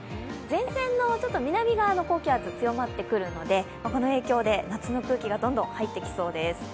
前線の南側の高気圧強まってくるのでこの影響で夏の空気がどんどん入ってきそうです。